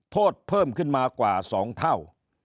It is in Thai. เพิ่มขึ้นมากว่า๒เท่า